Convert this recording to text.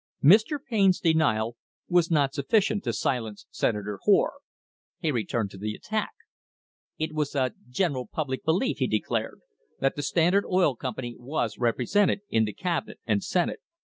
Mr. Payne's denial was not sufficient to silence Senator Hoar. He returned to the attack. It was a "general public belief," he declared, that the Standard Oil Company was represented in the Cabinet and Senate.